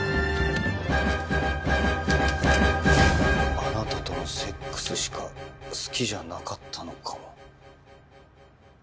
「あなたとのセックスしか好きじゃなかったのかも」。